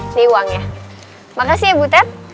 ini uangnya makasih ya bu tet